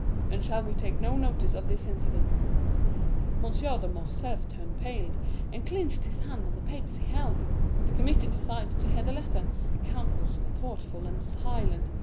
and shall we take no notice of this incident?' M. de Morcerf turned pale, and clenched his hands on the papers he held. The committee decided to hear the letter; the count was thoughtful and silent.